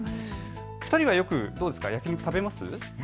２人はよく焼き肉食べますか？